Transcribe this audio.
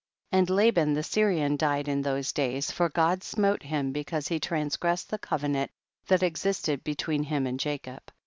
7. And Laban the Syrian died in those days, for God smole him be cause he transgressed the covenant that existed between him and Jacob.